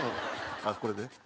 あっこれね。